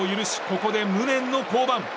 ここで無念の降板。